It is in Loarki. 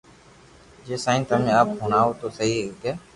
جي سائين تمي آپ ھڻاويو تو سگي ھي